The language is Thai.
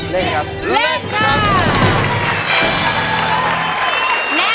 เล่นครับ